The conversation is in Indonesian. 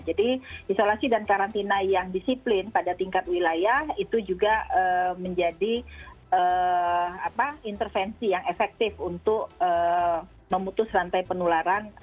jadi isolasi dan karantina yang disiplin pada tingkat wilayah itu juga menjadi intervensi yang efektif untuk memutus rantai penularan